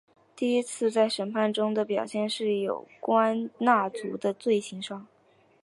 第一次在审判中的表现是在有关纳粹的罪行上。